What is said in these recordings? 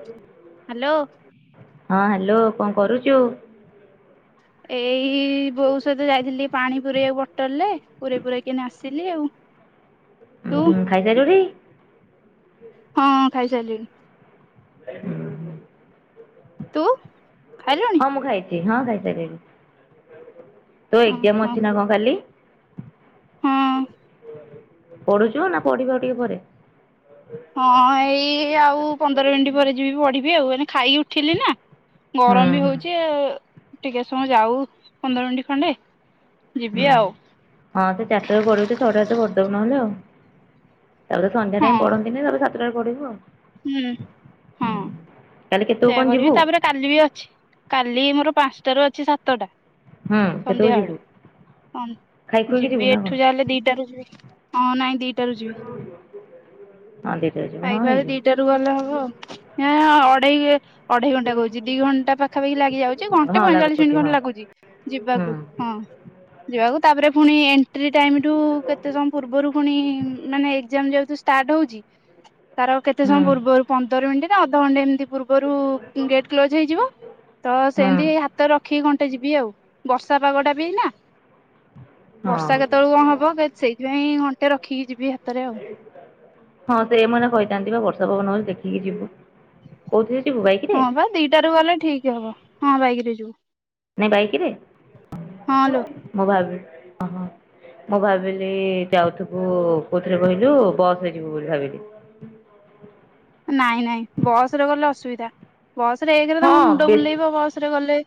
ହ [unintelligible] ହାଲୋ। ହଁ ହାଲୋ କଣ କରୁଚୁ? ଏଇ ବୋଉ ସହିତ ଯାଇଥିଲି ପାଣି ପୁରେଇବାକୁ ବୋଟଲରେ ପୁରେଇ ପୁରାକିନା ଆସିଲି ଆଉ। ତୁ ଉଁ ଖାଇସାଇଲୁଣି। ହଁ ହଁ ଖାଇସାଇଲିଣି। ହଜ [unintelligible] ତୁ ଖାଇଲୁଣି? ହଁ ମୁଁ ଖାଇଚି ହଁ ଖାଇସାଇଲିନି ତୋ ଏକ୍ଜାମ୍ ଓହୋ ଅଛି ନା କଣ କାଲି? ହଁ ପଢୁଚୁ ନା ପଢିବୁ ଆଉ ଟିକେ ପରେ? ହଁ ଏଇ ଆଉ ପନ୍ଦର ମିନିଟ୍ ପରେ ଯିବି ପଢ଼ିବି ଆଉ ଏଇନା ଖାଇକି ଉଠିଲି ନା। ହୁଁ ଗରମ୍ ବି ହୁଁ ହଉଚି ଆଉ ଟିକେ ସମୟ ଯାଉ ପନ୍ଦର ମିନିଟ୍ ଖଣ୍ଡେ। ହୁଁ। ଯିବି ଆଉ। ହଁ ସେ ଚାଟା [unintelligible] ପଢ଼ିଦବୁ ନହେଲେ ଆଉ। ତାପରେ ସନ୍ଧ୍ୟା ହଁ ଟାଇମ୍ ପଢନ୍ତିନି ତାପରେ ସାତଟାରେ ପଢିବୁ ଆଉ। ହୁଁ ହଁ କାଲି କେତେବେଳକୁ ସେୟା କଣ ଯିବୁ? କରିବି ତାପରେ କାଲି ବି ଅଛି କାଲି ମୋର ପାଷ୍ଟାଟାରୁ ଅଛି ସାତଟା। ହଁ କେତେବେଳେ ଯିବୁ? ହ ଖାଇ ଖୁଆକି ଯିବୁ ଯିବି ନା କଣ? ଏଠୁ ଯାହାଲେ ଦିଟାରୁ ଯିବି ହଁ ନାଇଁ ଦିଟାରୁ ଯିବି। ହଁ ଦିଟା ହେଇଯିବ ହଁ ହେଇଯିବ। [unintelligible] ଗଲେ ହବ ନାଁ ଅଢେଇ ଅଢେଇ ଘଣ୍ଟା କଉଚି ଦି ଘଣ୍ଟା ପାଖାପାଖୀ ଲାଗି ଯାଉଚି ଘଣ୍ଟେ ହଁ ପଇଁଚାଳିଶି ଲାଗୁଛି ମିନିଟ୍ ଖଣ୍ଡେ ହଁ ଲାଗୁଚି। ହୁଁ ଯିବାକୁ ହଁ ଯିବାକୁ ତାପରେ ପୁଣି ଏଣ୍ଟ୍ରି ଟାଇମ୍ ଠୁ କେତେ ସମୟ ପୂର୍ବରୁ ପୁଣି ମାନେ ଏକ୍ଜାମ୍ ଯେହତୁ ଷ୍ଟାର୍ଟ ହଉଚି ତାର କେତେ ହୁଁ ସମୟ ପୂର୍ବରୁ ପନ୍ଦର ମିନିଟ୍ ଅଧଘଣ୍ଟେ ଏମିତି ପୂର୍ବରୁ ଗେଟ୍ କ୍ଲୋଜ ହେଇଯିବ ତ ହୁଁ। ସେମିତି ହା ହାତରେ ରଖିକି ଘଣ୍ଟେ ଯିବି ଆଉ ବର୍ଷା ପାଗଟା ବି ଏଇନା। ହଁ ବର୍ଷା କେତେବେଳକୁ କଣ ହବ ସେ ସେଇଥିପାଇଁ ଘଣ୍ଟେ ରଖିକି ଯିବି ହାତରେ ଆଉ। ହଁ ସେମାନେ କହିଥାନ୍ତି ବା ବର୍ଷା ପବନ ବେଳେ ଦେଖିକି ଯିବୁ। କୋଉଥିରେ ଯିବୁ ବାଇକି ହଁ ପାଁ ଦିଇଟାରେ ଗଲେ ଠିକ୍ ହବ ହଁ ବାଇକିରେ ଯିବୁ। ନାଇଁ ବାଇକିରେ ହଁ ଲୋ ମୁଁ ଭାବି ହଁ ହଁ। ମୁଁ ଭାବିଲି ଯାଉଥିବୁ କୋଉଥିରେ କହିଲୁ ବସରେ ଯିବୁ ବୋଲି ଭାବିଲି। ନାଇଁ ନାଇଁ ବସରେ ଗଲେ ଅସୁବିଧା। ବସରେ ଏକେରେ ତ ମୋ ହଁ ମୁଣ୍ଡ ବୁଲେଇବ ବସରେ ଗଲେ।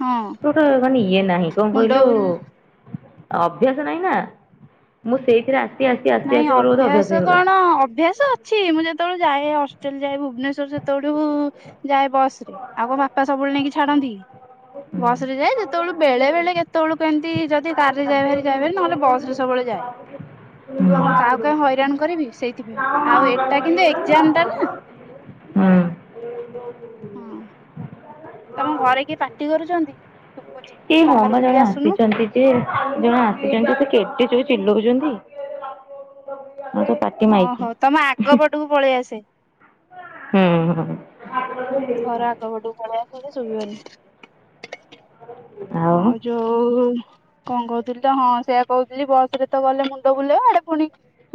ହଁ ତୋର ମାନେ ଇଏ ନାହିଁ କଣ ମୁଣ୍ଡ କହିଲୁ? ବୁଲ ଅଭ୍ୟାସ ନାହିଁ ନା ମୁଁ ସେଇଥିରେ ଆସି ଆସି ଆସି ନାଇଁ ଆସି ମୋର ବୋଧେ ଅଭ୍ୟାସ ହେଇଗଲା କଣ ଅଭ୍ୟାସ ଅଛି ମୁଁ ଯେତେବେଳେ ଯାଏ ହଷ୍ଟେଲ୍ ଯାଏ ଭୁବନେଶ୍ଵର ସେତେବେଳୁ ଯାଏ ବସ ଆଉ କଣ ବାପା ସବୁବେଳେ ନେଇକି ଛାଡନ୍ତି କି? ବସ ରେ ହୁଁ ଯାଏ ଯେତେବେଳୁ ବେଳେ ବେଳେ କେତେବେଳୁ କେମିତି ଯଦି କାର ରେ ଯାଏ ଭାରି ଯାଏ ଭାରି ନହେଲେ ବସ ରେ ସବୁବେଳେ ଯାଏ। [inaudible] କାହାକୁ କାଇଁ ହଇରାଣ କରିବି ସେଇଥିପାଇଁ ଆଉ ଏଟା କିନ୍ତୁ ଏଜାମ ଟା ନା। ହୁଁ। ହଁ ତମ ଘରେ କିଏ ପାଟି କରୁଚନ୍ତି ଶୁବୁଚି ବାହାରୁକୁ ଟିକେ ଆସୁନୁ। ସେ ଜଣେ ଆସିଚନ୍ତି ସେ କେତେ ଜୋରେ ଚିଲୋଉଚନ୍ତି ମତେ ପା ଅ ହ ତମ ଆଗ ପଟୁକୁ ପଳେଇ ଆସେ। ହୁଁ ଘର ଉଁ। ଆଗ ପଟୁକୁ ପଳେଇ ଆସେ ଯେ ଶୁବିବନି। [inaudible] ଆଉ ଯୋଉ କଣ କହୁଥିଲି ତ ହଁ ସେୟା କହୁଥିଲି ବସରେ ତ ଗଲେ ମୁଣ୍ଡ ବୁଲେଇବ ଆଡେ ଫୁଣି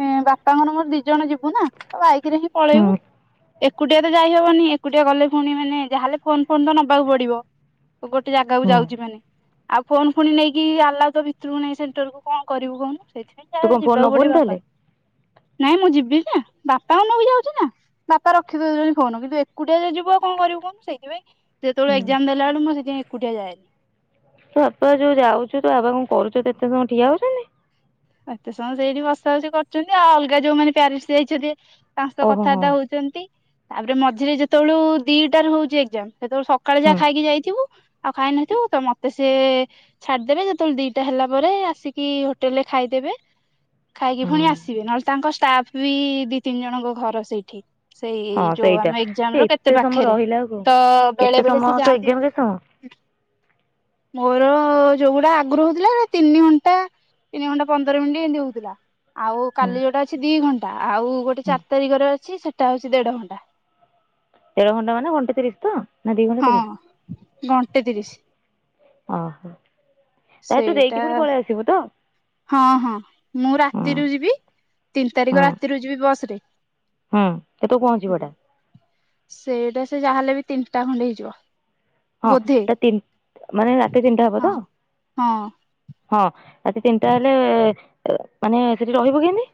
ଏଁ ବାପାଙ୍କର ମୋର ଦି ଜଣ ଯିବୁ ନା ତ ବାଇକରେ ହିଁ ପଳେଇବୁ। ହୁଁ ଏକୁଟିଆ ତ ଯାଇହବନି ଏକୁଟିଆ ଗଲେ ପୁଣି ମାନେ ଯାହେଲେ ଫୋନ୍ ଫୋନ୍ ତ ନବାକୁ ପଡିବ। ଗୋଟେ ଜାଗାକୁ ହୁଁ ଯାଉଚି ମାନେ। ଆଉ ଫୋନ ଫୁଣି ନେଇକି ଆଲାଉ ତ ଭିତୁରୁକୁ ନେଇ ସେଣ୍ଟର କୁ କଣ କରିବୁ କହୁନୁ ସେଇଥିଆଁ। ତୁ କଣ ଯାହେଲେ ଫୋନ ଯିବାକୁ ନବୁନି ପଡିବ ବାପା। ତାହେଲେ? ନାଇଁ ମୁଁ ଯିବି ଯେ ବାପାଙ୍କୁ ନେଇକି ଯାଉଚି ନା। ବାପା ରଖିଦଉଚନ୍ତି ଫୋନ, କିନ୍ତୁ ଏକୁଟିଆ ଯଦି ଯିବ ଆଉ କଣ କରିବୁ କହୁନୁ ସେଇଥାଇଁ। ହୁଁ। ଯେତେବେଳେ ଏକ୍ଜାମ ଦେଲାବେଳେ ମୁଁ ସେଥିପାଇଁ ଏକୁଟିଆ ଯାଏନି। ତ ବାପ ଯୋଉ ଯାଉଚୁ ତୋ ବାବା କଣ କରୁଚନ୍ତି ଏତେ ସମୟ ଠିଆ ହଉଚନ୍ତି? ଏତେ ସମୟ ସେଇଠି ବସା ବସି କରୁଚନ୍ତି ଆଉ ଅଲଗା ଯୋଉମାନେ ପ୍ୟାରେଣ୍ଟସ୍ ଯାଇଚନ୍ତି ତାଙ୍କ ସହ ଓହୋ ହଁ କଥାବାର୍ତ୍ତା ହଉଚନ୍ତି। ତାପରେ ମଝିରେ ଯେତେବେଳୁ ଦିଟାରୁ ହଉଚି ଏକ୍ଜାମ୍। ସେତେବେଳେ ସକାଳେ ହୁଁ ଯାହା ଖାଇକି ଯାଇଥିବୁ ଆଉ ଖାଇ ନଥିବୁ ତ ମତେ ସେ ଛାଡିଦେବେ ଯେତେବେଳେ ଦିଟା ହେଲା ପରେ ଆସିକି ହୋଟେଲରେ ଖାଇଦେବେ ଖାଇକି ଫୁଣି ହୁଁ ଆସିବେ ନହେଲେ ତାଙ୍କ ଷ୍ଟାଫ ବି ଦି ତିନି ଜଣଙ୍କ ଘର ସେଇଠି। ହଁ ସେଇ ଯୋଉ ସେଇଟା ଆମ ସେ ଏକ୍ଜାମର କେତେ ଏତେ ସମୟ ପାଖେରେ ରହିଲା ଆଉ ତ କେତେ ବେଳେବେଳେ ସେ ସମୟ ତୋ ଯାଆନ୍ତି ଏକ୍ଜାମ ଭାରି କେତେ ସମୟ? ମୋର ଯୋଉଗୁଡା ଆଗୁରୁ ହଉଥିଲା ତିନି ଘଣ୍ଟା ତିନି ଘଣ୍ଟା ପନ୍ଦର ମିଣ୍ଟି ଏମିତି ହଉଥିଲା। ଆଉ ହୁଁ କାଲି ଯୋଉଟା ଅଛି ଦି ଘଣ୍ଟା ଟା ଆଉ ଗୋଟେ ହୁଁ ଚାରି ତାରିକରେ ଅଛି ସେଟା ହଉଚି ଦେଢଘଣ୍ଟା। ଦେଢ ଘଣ୍ଟା ମାନେ ଘଣ୍ଟେ ତିରିଶ୍ ତ ନା ଦି ଘଣ୍ଟା ତିରିଶ୍? ହଁ ଘଣ୍ଟେ ତିରିଶ ଅ ହ ତାହେଲେ ତୁ ସେଇଟା ଦେଇକି ପୁଣି ପଳେଇ ଆସିବୁ ତ? ହଁ ହଁ ମୁଁ ହୁଁ ରାତିରୁ ଯିବି ତିନି ହୁଁ ତାରିକ ରାତିରୁ ଯିବି ବସରେ। ହୁଁ କେତୋଉ ପହଞ୍ଚିବ ହେଟା? ସେଟା ସେ ଯାହାହେଲେ ବି ତିନିଟା ଖଣ୍ଡେ ହେଇଯିବ। ହଁ ବୋଧେ ତା ତିନିଟ୍-ମାନେ ରାତି ତିନିଟା ହବ ହଁ ତ ହଁ। ହଁ ରାତି ତିନିଟା ହେଲେ ମାନେ ସେଠି ରହିବୁ କେମିତି?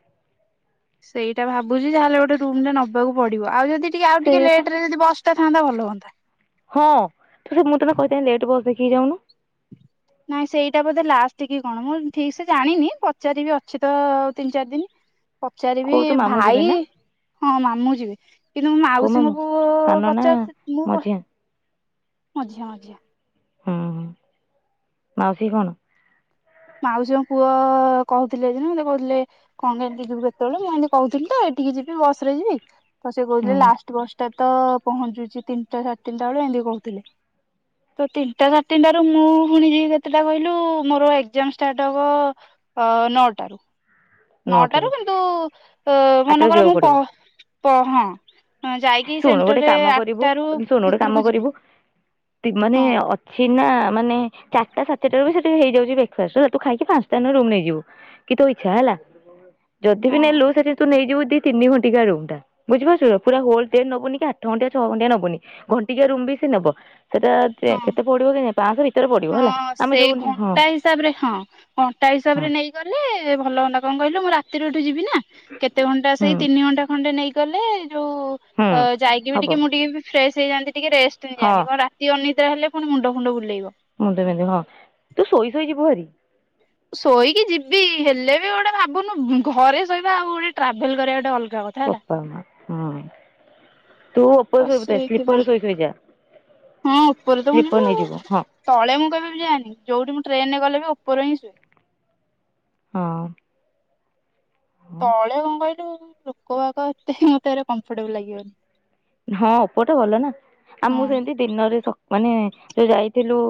ସେଇଟା ଭାବୁଚି ଯହାହେଲେ ଗୋଟେ ରୁମଟେ ନବାକୁ ପଡିବ। ଆଉ ଯଦି ଟିକେ ଆଉ ଟିକେ ସେଇଆ ପା। ଲେଟରେ ଯଦି ବସ ଟା ଥାନ୍ତା ଭଲ ହୁଅନ୍ତା। ହଁ ତ ସେ ମୁଁ ତତେ କହିଥାନ୍ତି ଲେଟେ ବସ୍ ଦେଖିକି ଯାଉନୁ? ନାଇଁ ସେଇଟା ବୋଧେ ଲାଷ୍ଟ କି କଣ। ମୁଁ ଠିକ୍ ସେ ଜାଣିନି ପଚାରିବି ଅଛି ତ ତିନି ଚାରି ଦିନ। ହଁ [inaudible] ପଚାରିବି ଭାଇ ହଁ ମାମୁଁ ଯିବେ। କିନ୍ତୁ କୋଉ ମାଉସୀଙ୍କ ମାମୁଁ? ପୁଅ ସାନ ନା ପଚାରି ମୁଁ ମଝିଆ ମଝିଆ ମଝିଆ। ହୁଁ, ମାଉସୀ କଣ? ମାଉସୀଙ୍କ ପୁଅ କହୁଥିଲେ ଯେ ମତେ କହୁଥିଲେ କଣ କେମତି ଯିବୁ କେତେବେଳେ ମୁଁ ଏମିତି କହୁଥିଲି ତ ଏଠିକି ଯିବି ବସ୍ ରେ ଯିବି। ତ ସେ କହୁଥିଲେ ହୁଁ ଲାଷ୍ଟ୍ ବସଟା ତ ପହଞ୍ଚୁଛି ତିନିଟା ସାଢେ ତିନିଟା ବେଳେ ଏମିତି କହୁଥିଲେ। ତ ତିନିଟା ସାଢେ ତିନିଟା ରୁ ମୁଁ ପୁଣି ଯିବି କେତେଟା କହିଲୁ ମୋର ଏ ଏକ୍ଜାମ ଷ୍ଟାର୍ଟ ହବ ନଅଟା ରୁ। ନଅଟାରୁ କିନ୍ତୁ ଆଠଟାରୁ ମନେକର ଯିବାକୁ ମୁଁ ପ ପଡିବ ପହଁ ଯାଇକି ଶୁଣୁ ଗୋଟେ ସେଣ୍ଟରରେ କାମ କରିବୁ ଆଠଟା ରୁ ଶୁଣୁ ଗୋଟେ କାମ ଭିତରକୁ ଯିବି। କରିବୁ ତି ମାନେ ହଁ ଅ ଛିନା ମାନେ ଚାରିଟା ସାଢ଼େ ଚାରିଟାରେ ବି ସେଠି ହେଇଯାଉଛି ବ୍ରେକଫାଷ୍ଟ୍। ତୁ ସେଠୁ ଖାଇକି ପାଞ୍ଚଟା [unintelligible] ରୁମ ନେଇଯିବୁ। କି ତୋ ଇଛା ହେଲା। ଯଦି ବି ହଁ ନେଲୁ ସେଠି ତୁ ନେଇଯିବୁି ଦି ତିନି ଘଣ୍ଟିକା ରୁମ ଟା ବଝିପାରୁଛୁ ତ। ପୁରା ହେ। ଲ୍ ଡେ ନବୁନି କି ଆଠ ଘଣ୍ଟିଆ ଛ ଘଣ୍ଟିଆ ନବୁନି ଘଣ୍ଟିକିଆ ରୁମ ବି ସେ ନବ। ସେଟା ହଁ। କେତେ ପଡିବ କି? ପାଞ୍ଚଶହ ଭିତରେ ପଡିବ ହେଲା ହଁ ଆମେ ସେଇ ଯୋଉ ହଁ। ଘଣ୍ଟା ହିସାବରେ ହଁ କଣ୍ଟା ହଁ ହିସାବରେ ନେଇଗଲେ ଭଲ ହୁଅନ୍ତା କଣ କହିଲୁ ମୁଁ ରାତିରେ ଏଠୁ ଯିବି ନା। କେତେ ଘଣ୍ଟା ହୁଁ ସେଇ ତିନି ଘଣ୍ଟା ଖଣ୍ଡେ ନେଇଗଲେ, ହୁଁ ଯୋଉ ଯାଇକି ବି ହବ ଟିକେ ମୁଁ ଟିକେ ବି ଫ୍ରେଶ ହେଇଯାନ୍ତି ଟିକେ ରେଷ୍ଟ ହଁ ନେଇଯାଆନ୍ତି। କଣ ରାତି ଅନିଦ୍ରା ହେଲେ ପୁଣି ମୁଣ୍ଡଫୁଣ୍ଡ ବୁଲେଇବ। ମୁଣ୍ଡ ବିନ୍ଧିବ ହଁ, ତୁ ଶୋଇ ଶୋଇ ଯିବୁ ଭାରି। ଶୋଇକି ଯିବି ହେଲେ ବି ଗୋଟେ ଭାବୁନୁ ଘରେ ଶୋଇବା ଆଉ ଗୋଟେ ଟ୍ରାଭେଲ୍ କରିବା ଗୋଟେ ଅଲଗା କଥା। ହେଲା ବୋପା ମା ହଁ, ତୁ ଉପରେ [unintelligible] ତ ସୋଇକି ସେଇଥିପାଇଁ ସ୍ଲିପର ସୋଇ ସୋଇ ଯା। ହଁ, ଉପରେ ତ ମୁଁ ସ୍ଲିପର ଯିବି ଆଉ। ନେଇଯିବୁ ହଁ ତଳେ ମୁଁ କେବେବି ଯାଏନି ଯୋଉଠି ମୁଁ ଟ୍ରେନ ରେ ଗଲେ ବି ଉପର ହିଁ ଶୁଏ। ହଁ। ତଳେ କଣ କହିଲୁ ଲୋକ ବାକ ଏତେ ମତେ [unintelligible] ଏ କମ୍ଫଟେବୁଲ୍ ଲାଗିବନି। ହଁ ଉପରଟା ଭଲ ନା ଆଉ ହଁ ମୁଁ ସେମିତି ଦିନରେ ସ ମାନେ ଯାଇଥିଲୁ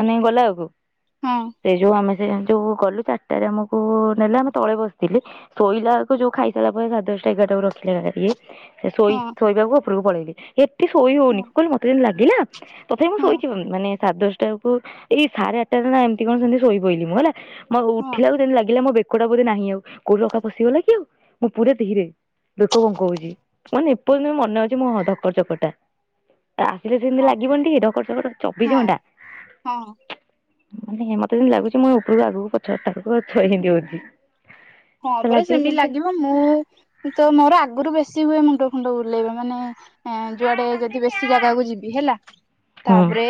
ମାନେ ଗଲା ଆକୁ ହଁ। ସେ ଯୋଉ ଆମେ ସେ ଯୋଉ ଗଲୁ ଚାରିଟାରେ ଆମକୁ ନେଲେ ଆମେ ତଳେ ବସିଥିଲି। ଶୋଇଲାକୁ ଯୋଉ ଖାଇସାରିଲା ପରେ ସାଢ୍ ଦଶଟା ଏଗାରାକୁ ରଖିଲା ଗଲା ଇଏ, ସେ ଶୋଇ ହଁ ଶୋଇବାକୁ ଉପରକୁ ପଳେଇଲି। ଏ ସେ ଶୋଇ ହଉନି ହଁ କହିଲୁ ମତେ ଯେମିତି ଲାଗିଲା ତଥାପି ମୁଁ ହଁ ଶୋଇିଚି ମାନେ ସାଢେ ଦଶଟାକୁ ଏଇ ସାଢେ ଆଠଟାରେ ନା ଏମିତି କଣ ସେମିତି ଶୋଇ ପଡିଲି ମୁଁ ହେଲା। ମୋ ହଁ ଉଠିଲା ବେଳୁ ଯେମିତି ଲାଗିଲା ମୋ ବେକଟା ବୋଧେ ନାହିଁ ଆଉ କଉଠି ରକା ପଶିଗଲା କି ଆଉ ମୁଁ ପୁରା ଧୀରେ ବେକ ବଙ୍କଉଚି। ମାନେ ଏପର୍ୟ୍ଯନ୍ତ ବି ମନେ ଅଛି ମୋ ହ ଧକର୍ ଚକଟା। ଆସିଲେ ସେମିତି ହଁ ଲାଗିବନି ଟିକେ ଧକଟଚକଟ ଚବିଶ ହଁ ହଁ ଘଣ୍ଟା। ମାନେ ମତେ ଯେମିତି ଲାଗୁଛି ମୁଁ ଉପରକୁ ଆଗକୁ ପଛ [unintelligible] ହଁ ତ ପରା ଲାଗିବ ସେମିତି ଆଉ ଲାଗିବ। ମୁଁ ତ ମୋର ଆଗରୁ ବେଶୀ ହୁଏ ମୁଣ୍ଡ ଫୁଣ୍ଡ ବୁଲେଇବ ମାନେ ଏଁ ଯୁଆଡେ ଯଦି ବେଶୀ ଜାଗାକୁ ଯିବି ହେଲା। ହୁଁ ତାପରେ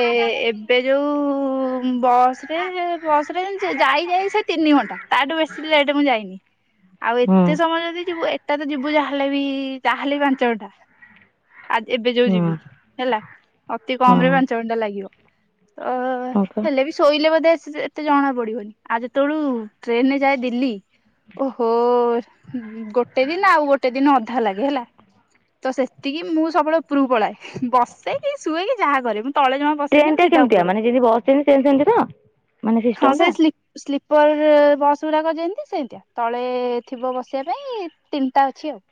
ଏବେ ଯୋଉ ବସ୍ ରେ ବସ୍ ରେ ଯାଇ ଯାଇ ସେ ତିନି ଘଣ୍ଟା। ତାଠୁ ବେଶୀ ଲେଟ୍ ମୁଁ ଯାଇନି। ଆଉ ହୁଁ ଏତେ ସମୟ ଯଦି ଯିବୁ ଏଟା ତ ଯିବୁ ଯାହେଲେ ବି ତାହେଲେ ବି ପାଞ୍ଚ ଘଣ୍ଟା। ଆ ଏବେ ଯୋଉ ହୁଁ ଯିବି ହେଲା। ଅତି କମ୍ ରେ ହୁଁ। ପାଞ୍ଚ ଘଣ୍ଟା ଲାଗିବ। ଅ ହଁ ପା ହେଲେ ବି ଶୋଇଲେ ବୋଧେ ସେ ଏତେ ଜଣା ପଡିବନି। ଆ ଯେତେବେଳୁ ଟ୍ରେନ୍ ରେ ଯାଏ ଦିଲ୍ଲୀ। ଓହୋ ଗୋଟେ ଦିନ ଆଉ ଗୋଟେ ଦିନ ଅଧା ଲାଗେ ହେଲା। ତ ସେତିକି ମୁଁ ସବୁବେଳେ ଉପରକୁ ପଳାଏ। ବସେ, କି ଶୁଏ, କି ଯାହା କରେ, ମୁଁ ତଳେ ଜମା ବସେନି ଟ୍ରେନ ମୁଁ ଟା ସିଧା କେମିତିଆ ଉପରକୁ ମାନେ ଯଦି ବସ୍ ଯେମ୍ତି ଟ୍ରେନ ସେମିତି ତ ମାନେ ହଁ ସିଷ୍ଟମ ସେ ଟା? ସ୍ଲିପର ବସ୍ ଗୁଡାକ ଯେନ୍ତି ସେନ୍ତିଆ। ତଳେ ଥିବ ବସିବା ପାଇଁ ତିନିଟା ଅଛି ଆଉ।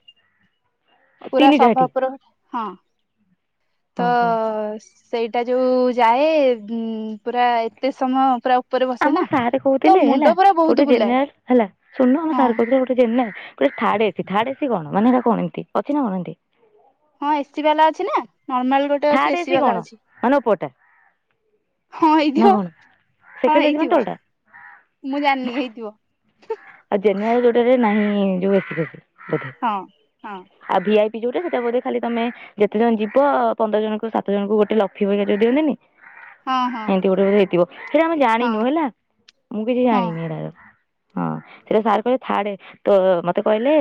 ପୁରା ତିନିଟା ସଭା ହେଠି ଉପର ହଁ ତ ଓହୋ। ସେଇଟା ଯୋଉ ଯାଏ ଉ ପୁରା ଏତେ ସମୟ ପୁରା ଉପରେ ଆମ ବସେ ନା ସାର୍ ତ କହୁଥିଲେ ହେଲା ମୁଣ୍ଡ ପୁରା ଗୋଟେ ବହୁତ ବୁଲାଏ। ଜେନେରାଲ ହେଲା ଶୁଣୁନ ଆମ ହଁ ସାର୍ କହୁଥିଲେ ଗୋଟେ ଥାର୍ଡ ଏସି ଥାର୍ଡ ଏସି କଣ ମାନେ ଏଟା କଣ ଏନ୍ତି ଅଛି ନା କଣ ଏନ୍ତି? ହଁ ଏସି ବାଲା ଅଛି ନା ନର୍ମାଲ ଗୋ ଥାର୍ଡ ଏସି କଣ ମାନେ ଉପରଟା? ହଁ ନା ହେଇଥିବ କଣ ହଁ ସେକେଣ୍ଡ ଏସି ମାନେ ହେଇଥିବ ତଳଟା। ମୁଁ ଜାଣିନି ହେଇଥିବ। ଆଉ ଜେନେରାଲ ଯୋଉଟାରେ ନାହିଁ ଯୋଉ ଏସିରେ ହଁ, ହଁ,। ଆଉ ଭିଆଇପି ଯୋଉଟା ସେଇଟା ବଧେ ଖାଲି ତମେ ଯେତେ ଜଣ ଯିବ ପନ୍ଦର ଜଣ କ ସାତ ଜଣଙ୍କୁ ଗୋଟେ ଲକ୍ଷୀ ପକ୍ଷା ଯେ ଦିଅନ୍ତିନି। ହଁ ହଁ ଏମତି ଗୋଟେ ବଧେ ହେଇଥିବ। ସେଟା ଆମେ ଜାଣିନୁ ହଁ ହେଲା ମୁଁ କିଛି ହଁ ଜାଣିନି ଏଟାର। ହଁ ସେଇଟା ସାର୍ କହିଲେ ଥାର୍ଡ ତ ମତେ କହିଲେ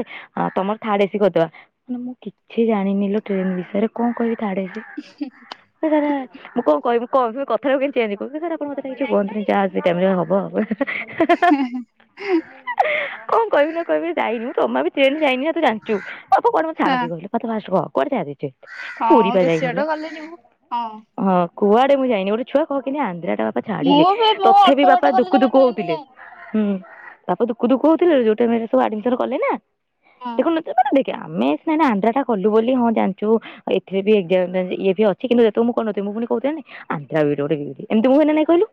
ତମର ଥାର୍ଡ ଏସିି କରିଦବା। ନା ମୁଁ କିଛି ଜାଣିନିଲୋ ଟ୍ରେନ ବିଷୟରେ କଣ କହିବି ଥାର୍ଡ ଏସି? ହ [unintelligible] ସେରେ [unintelligible] ମୁଁ କଣ କହିବି କ କଥାରୁକୁ କେମିତି ଚେଞ୍ଜ କରିବି ସାର୍ ଆପଣ ମତେ କିଛି କୁହନ୍ତୁନି ଯାହା ସେ ଟାଇମ୍ ରେ ହବ ଆଉ। ହୁଁ [unintelligible] କଣ କହିବି ନା କହିବି ଯାଇନୁ ଯମା ବି ଟ୍ରେନ ଯାଇନୁ ତୁ ଯାଣିଚୁ ବାପା କୁଆଡ଼େ ମୋତେ ହଁ ଛାଡ଼ନ୍ତି କହିଲୁ ମୋତେ ଫାଷ୍ଟ କହ କୁଆଡେ ଛାଡ଼ିବେ? ପୁରି ହଁ ପା ବେଶୀ ଯାଇନିଲୋ। ବାଟ ଗଲେ ଯିବୁ ହଁ କୁଆଡେ ମୁଁ ଯାଇନି ଗୋଟ ଛୁଆ କହକି ଆନ୍ଦ୍ରାର ବାପା ଛାଡିଲେ ମୁଁ ବି ମୁଁ ଅଳ୍ପ ତଥାପି ବାପା ବାଟ ଗଲେ ଦୁକୁ ଜମା ଦୁକୁ ଟ୍ରେନରେ ହଉଥିଲେ। ଯାଏନି ହୁଁ, ତାପରେ ଦୁକୁ ଦୁକୁ ହଉଥିଲେ ଯୋଉ ଟାଇମ୍ ରେ ସବୁ ଆଡମିଶନ କଲେ ନା ହଁ ଦେଖ [unintelligible] କି ଆମେ ସେ ଆନ୍ଧ୍ରା ଟା କଲୁ ବୋଲି ହଁ ଜାଣିଛୁ ଆ ଏଥିରେ ବି ଏଜା ଏ ଅଛି କିନ୍ତୁତେବେ ମୁଁ କହୁନଥିଲ ମୁଁ ପୁଣି କହୁଥିଲି ନା ନାହିଁ। ଆନ୍ଦ୍ରା ବିଡି ଗୋଟେ ବି ଏମିତି ହୁଏ ନା ନାଇଁ କହିଲୁ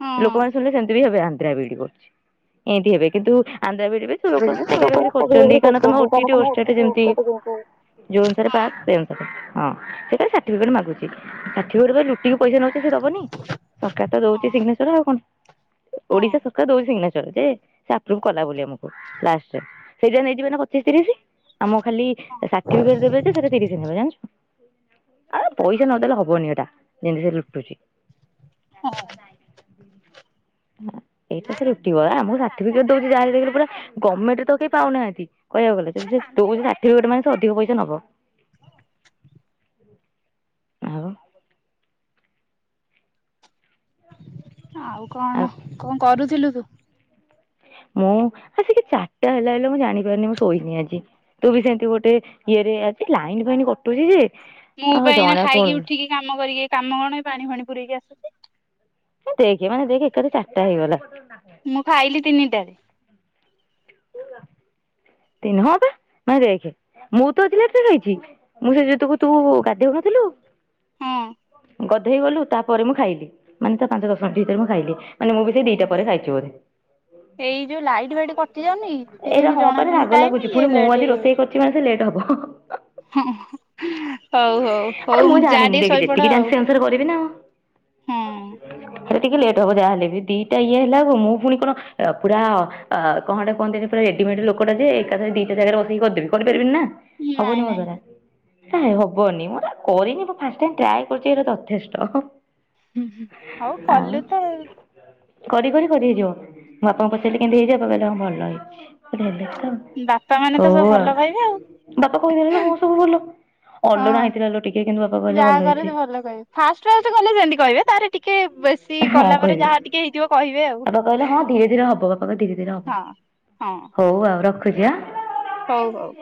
ହଁ ଲୋକମାନେ ଶୁଣିଲେ ସେମତି ବି ହେବେ ଆନ୍ଦ୍ରା ବିଡି କରୁଛି। ଏନ୍ତି ହେବେ କିନ୍ତୁ ଆନ୍ଦ୍ରା ବିଇଡ଼ି ପାଇଁ ଲୋକ ଚାକିରୀ ବାକିରି କରୁଛନ୍ତି। କାରଣ ତମେ ଓଟିଟି ଓଷ୍ଟେଟି ଟି ହଁ ଯେମତି ଯୋଉ ଅନୁସାରେ ହଁ ପାସ୍ ସେ ଅନୁସାରେ ହଁ ସେ ଖାଲି ସାଟିଫିକେଟ୍ ମାଗୁଚି ସାଟିଫିକେଟ୍ ପାଇଁ ଲୁଟିକି ପଇସା ନେଉଛିନ୍ତି ସେ ଦବନି। ସରକାର ତ ଦଉଛି ସିଗ୍ନେଚର ଆଉ କଣ ହଁ ଓଡିଶା ସରକାର ଦଉଛି ସିଗ୍ନେଚର। ଯେ ସେ ଆପ୍ରୁଭ୍ କଲା ବଲି ଆମକୁ ଲାଷ୍ଟରେ ସେଇ ଯାଗାରେ ନେଇଯିବେ ନା ପଚିଶ ତିରିଶି। ଆମକୁ ଖାଲି ହଁ ସାର୍ଟିଫିକେଟ୍ ଦେବେ ଯେ ସେଟା ତିରିଶି ନେବେ ଜାଣିଚୁ। ଆ ପଇସା ନଦେଲେ ହବନି ଏଟା ଯେମିତି ସେ ଲୁଟୁଚି। ହଁ ଏଇଟ ଲୁ ଟିବ ଆ ମୁଁ ସାର୍ଟିଫିକେଟ ଦଉଛି ଯାହା ହେଲେବି ପୁରା ଗମେଣ୍ଟରେ ତ କେହି ପାଉନାହାନ୍ତି କହିବାକୁ ଗଲେ କିନ୍ତୁ ସେ ଦଉଚି ସାର୍ଟିଫିକେଟ ମାନେ ସେ ଅଧିକା ପଇସା ନବ। ଆଉ। ଆଉ କଣ କଣ କରୁଥିଲୁ ତୁ? ମୁଁ ଆସିକି ଚାରିଟା ହେଲାଣି ମୁଁ ଜାଣିପାରୁନି ମୁଁ ଶୋଇନି ଆଜି। ତୁ ବି ସେମିତି ଗୋଟେ ଇଏରେ ଅଛି ଲାଇନ ଫାଇନ୍ କଟୁଛି ଯେ ମୁଁ ଆଉ ପା ଏଇନା ଜଣା ଖାଇକି ପଡୁନି ଉଠିକି କାମ କରିକି କାମ କଣ ପାଣି ଫାଣି ପୁରେଇକି ଆସୁଛି। ଦେଖେ ମାନେ ଦେଖେ ଏକାଠି ଚାରିଟା ହେଇଗଲା। ମୁଁ ଖାଇଲି ତିନିଟା। ହଁ ବା ଭାଇ ନାଇଁ ଦେଖେ ମୁଁ ତୱ, ଖାଇଚି ମୁଁ ସେ ଜିତୁକୁ ତୁ ଗାଧେଉନଥିଲୁ? ହଁ ଗଧେଇ ଗଲୁ ତାପରେ ମୁଁ ଖାଇଲି ମାନେ ତା ପାଞ୍ଚ ଦଶ ମିନିଟ୍ ଭିତରେ ମୁଁ ଖାଇଲି। ମାନେ ମୁଁ ବି ସେ ଦିଟା ହଁ। ପରେ ଖାଇଛି ବୋଧେ ଏଇ ଯୋଉ ଲାଇଟ୍ ଫାଇଟ୍ କଟି ଯାଉନି କି ଏଇରା ସେଇଥିପାଇଁ ହଁ। ଜଣା ପଡୁନି ରାଗ ଟାଇମ ଲାଗୁଛି ଇଏ ପୁଣି ମୁଁ ଲେଟ୍ ଆଜି ରୋଷେଇ ହେଇଯାଉଛି। କରିଛି ମାନେ ଲେଟ୍ ହବ। ହଁ ହଉ ହଉ ଆରେ ହଉ ମୁଁ ଯା ଜାଣିନି ଟିକେ ଦେଖ ଶୋଇପଡ ଯେତିକି ଆଉ ଅଛିସେ ଅନୁସାରେ କରିବି ନା। ହଁ [unintelligible] ଟିକେ ଲେଟ୍ ହବ ଯାହାହେଲେ ଦିଟା ଇଏ ହେଲା ବେଳକୁ ମୁଁ ପୁଣି କଣ ପୁରା ଅ କଣା କହନ୍ତି ପୁର ରେଡିମେଡ଼ି ଲୋକ କପଡ଼ା ଦେଏକା ଥରେଦିଟା ଜାଗାରେ ବସିକି କରିଦେବି କରିପାରିବିନ ନା ହବନି ନାଇଁ ମୋ ନାଇଁ। ଦ୍ଵାରା ନହିଁ ହବନି ମୁଁ କରିନି ମୁଁ ଫାଷ୍ଟ ଟାଇମି ଟ୍ରାଏ କରୁଛି ଏରା ଯଥେଷ୍ଟ। ହୁଁ ହୁଁ ହଉ କଲୁ ତ ଆଉ। କରି ବନିକରି ହେଇଯିବ ବାପାଙ୍କୁ ହୁଁ ପଚାରିଲିକେମତି ହେଇଛି ବାପା କହିଲେ ହଁଭଲ ହେଇଛି ତ ବାପା ମାନେ ତ ସବୁ ହଉ ଭଲ କହିବେ ଆଉ ବାପା କହିଦେଲେ ମୁଁ ସବୁ ଭଲ। ହଁ। ଅଲଣାହୋଇଥିଲାଲେ ଟିକେ କିନ୍ତୁ ବାପା କହିଲେ ଯାହା ଭଲ କରେ ହେଇଛି। ସେ ଭଲ କହିବେ ଫାଷ୍ଟ ଫାଷ୍ଟ କଲେ ସେମିତି କହିବେ ତାପରେ ଟିକେ ବେଶୀ ହଁ କଲା ପରେ କହିଲେ ଯାହା ଟିକେ ହେଇଥିବ କହିବେ ଆଉ ବାପା କହିଲେ ହଁ ଧୀରେ ଧୀରେ ହବ ବାପା କହିଲେ ଧୀରେ ଧୀରେ ହବ। ହଁ ହଁ ହଉ ଆଉ ରଖୁଛି ଆ ହଉ ହଉ।